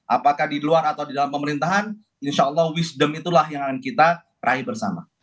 apakah di luar atau di dalam pemerintahan insya allah wisdom itulah yang akan kita raih bersama